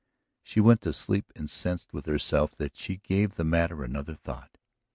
She went to sleep incensed with herself that she gave the matter another thought.